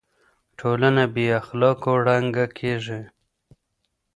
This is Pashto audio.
ټولنه بې اخلاقو ړنګه کيږي.